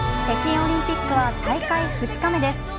北京オリンピックは大会２日目です。